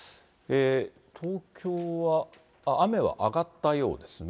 東京は、雨は上がったようですね。